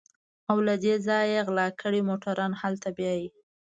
او له دې ځايه غلا کړي موټران هلته بيايي.